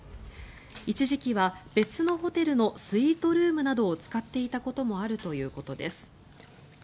一時期は別のホテルのスイートルームなどを使っていたこともあるということです。